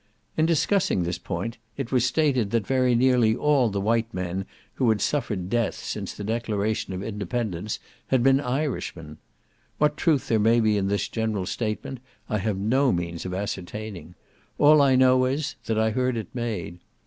In discussing this point, it was stated that very nearly all the white men who had suffered death since the declaration of Independence had been Irishmen. What truth there may be in this general statement, I have no means of ascertaining; all I know is, that I heard it made.